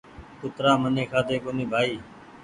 ڪُترآ مني کآڌي ڪُوني بآئي